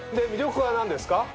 魅力は何ですか？